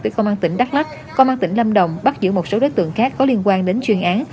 với công an tỉnh đắk lắc công an tỉnh lâm đồng bắt giữ một số đối tượng khác có liên quan đến chuyên án